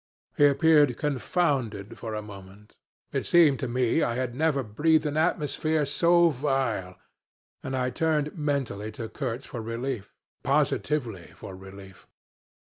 He appeared confounded for a moment. It seemed to me I had never breathed an atmosphere so vile, and I turned mentally to Kurtz for relief positively for relief.